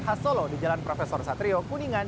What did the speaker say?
hasolo di jalan profesor satrio kuningan